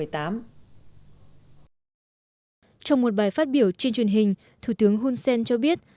trong một bài phát biểu trên truyền hình thủ tướng hun sen cho biết